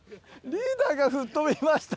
「リーダーが吹っ飛びました」